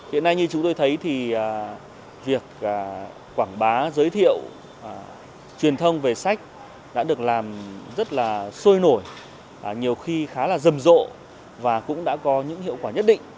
hiện nay như chúng tôi thấy thì việc quảng bá giới thiệu truyền thông về sách đã được làm rất là sôi nổi nhiều khi khá là rầm rộ và cũng đã có những hiệu quả nhất định